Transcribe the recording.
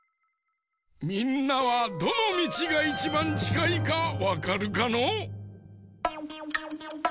みんなはどのみちがいちばんちかいかわかるかのう？